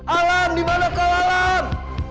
alam di mana kau alam